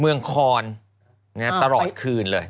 เมืองคอนตลอดคืนเลย